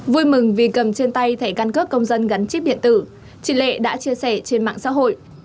vui mừng vì cầm trên tay thẻ căn cước công dân gắn chip điện tử chị lệ đã chia sẻ trên mạng xã hội